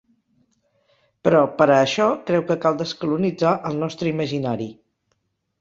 Però, per a això, creu que cal descolonitzar el nostre imaginari.